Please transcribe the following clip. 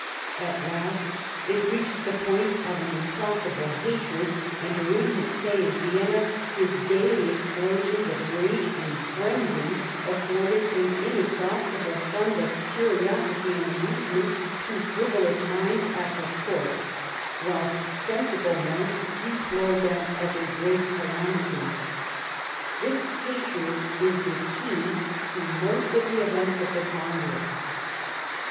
At last it reached the point of an implacable hatred, and during his stay in Vienna, his daily explosions of rage and frenzy afforded an inexhaustible fund of curiosity and amusement to frivolous minds at the court, whilst sensible men deplored them as a great calamity. This hatred is the key to most of the events of the Congress."